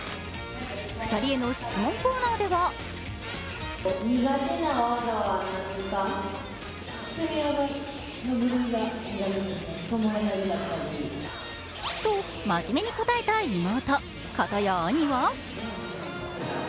２人への質問コーナーではと真面目に答えた妹。